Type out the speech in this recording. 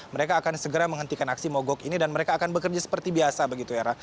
mereka akan segera menghentikan aksi mogok ini dan mereka akan bekerja seperti biasa begitu hera